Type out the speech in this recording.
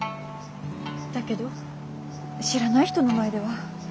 だけど知らない人の前では。